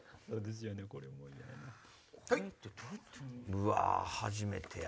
うわ初めてや。